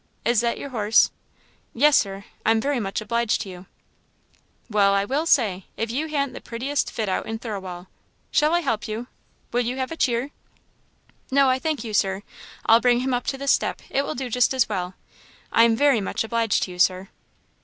Is that your horse?" "Yes, Sir. I'm very much obliged to you." "Well, I will say! if you han't the prettiest fit out in Thirlwall shall I help you? will you have a cheer?" "No, I thank you Sir; I'll bring him up to this step; it will do just as well. I am very much obliged to you, Sir."